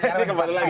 ini kembali lagi